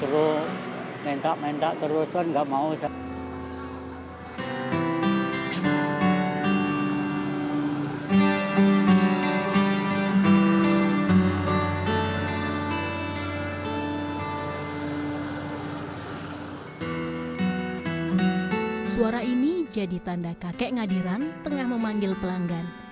itu mentak mentak terus nggak mau suara ini jadi tanda kakek ngadiran tengah memanggil pelanggan